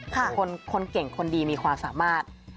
คนเก่งคนดีมีความสามารถ